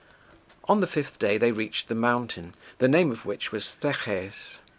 On the fifth day they reached the mountain, the name of which was Theches (4).